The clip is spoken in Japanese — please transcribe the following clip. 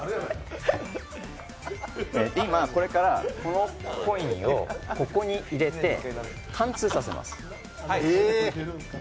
今、これからこのコインをここに入れて貫通させます。